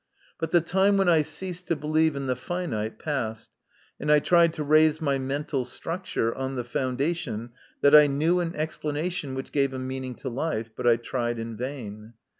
But the time when I ceased to believe in the finite passed, and I tried to raise my mental structure on the foundation that I knew an explanation which gave a meaning to life, but I tried in vain.